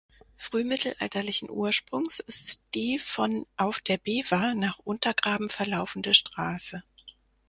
Frühmittelalterlichen Ursprungs ist die von „Auf der Bever“ nach Untergraben verlaufende Straße.